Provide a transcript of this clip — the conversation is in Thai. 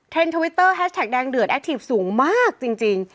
ทวิตเตอร์แฮชแท็กแดงเดือดแอคทีฟสูงมากจริง